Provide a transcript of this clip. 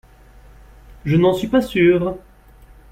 Je n’en suis pas sûre